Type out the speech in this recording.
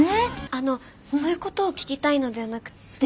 あのそういうことを聞きたいのではなくって。